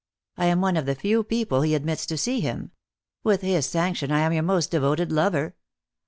I am one of the few people he admits to see him. With his sanction, I am your most devoted lover.